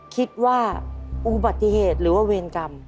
คิดว่าอุบัติเหตุหรือว่าเวรกรรม